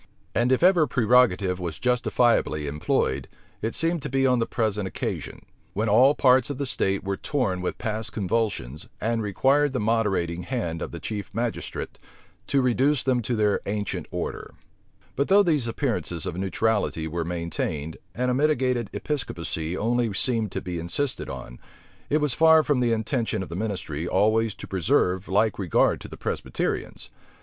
And if ever pre rogative was justifiably employed, it seemed to be on the present occasion; when all parts of the state were torn with past convulsions, and required the moderating hand of the chief magistrate to reduce them to their ancient order. * Parl. Hist vol. xxiii. p. 173 But though these appearances of neutrality were maintained, and a mitigated Episcopacy only seemed to be insisted on, it was far from the intention of the ministry always to preserve like regard to the Presbyterians.